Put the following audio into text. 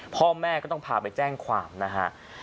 พ่อแม่ก็ต้องพาไปแจ้งความนะฮะ